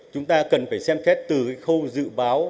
chúng ta cần phải xem kết từ khâu dự báo